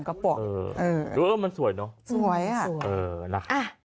หรือว่ามันสวยเนาะ